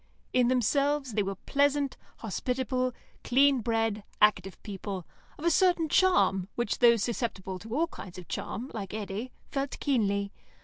In themselves, they were pleasant, hospitable, clean bred, active people, of a certain charm, which those susceptible to all kinds of charm, like Eddy, felt keenly.